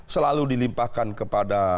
selalu dilimpahkan kepada dpr